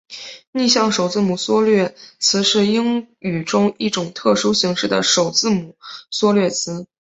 逆向首字母缩略词是英语中一种特殊形式的首字母缩略词。